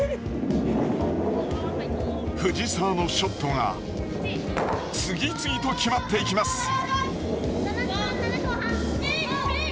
藤澤のショットが次々と決まっていきます。